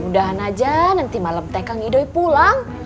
mudah mudahan aja nanti malem teh kang idoy pulang